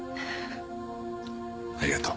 ありがとう。